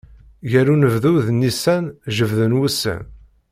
Gar unebdu d nnisan jebbden wussan.